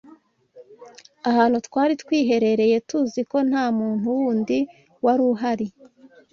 Ahantu Twari Twiherereye tuzi ko ntamuntu wundi waruhari